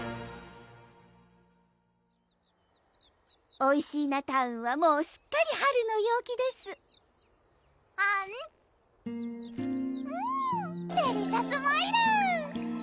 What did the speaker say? おいしーなタウンはもうすっかり春の陽気ですうんデリシャスマイル！